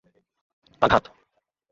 আঘাত।